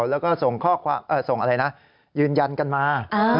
แล้วก็ส่งข้อความส่งอะไรนะยืนยันกันมา